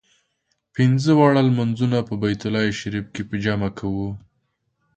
پنځه واړه لمونځونه په بیت الله شریف کې په جمع کوو.